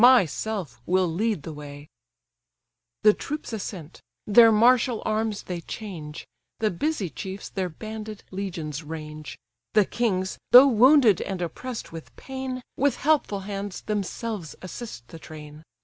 myself will lead the way." GREEK SHIELD The troops assent; their martial arms they change: The busy chiefs their banded legions range. The kings, though wounded, and oppress'd with pain, With helpful hands themselves assist the train.